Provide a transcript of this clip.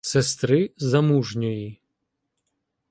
Сестри замужньої.